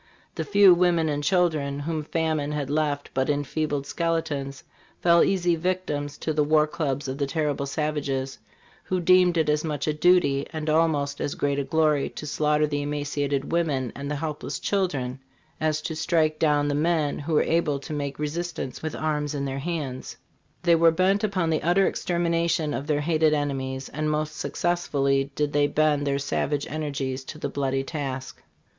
The few women and children, whom famine had left but enfeebled skeletons, fell easy victims to the war clubs of the terrible savages, who deemed it as much a duty, and almost as great a glory, to slaughter the emaciated women and the helpless children as to strike down the men who were able to make resistance with arms in their 'Hands. They were bent upon the utter extermination of their hated enemies, and most successfully did they bend their savage energies to the bloody task.